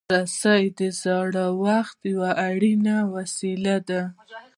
رسۍ د زاړه وخت یو اړین وسیله ده.